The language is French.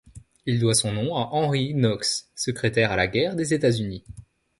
Il doit son nom à Henry Knox, secrétaire à la Guerre des États-Unis.